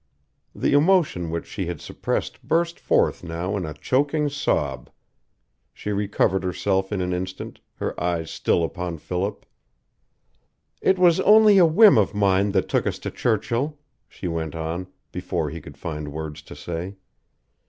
The emotion which she had suppressed burst forth now in a choking sob. She recovered herself in an instant, her eyes still upon Philip. "It was only a whim of mine that took us to Churchill," she went on, before he could find words to say.